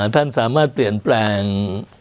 ท่านสามารถเปลี่ยนแปลง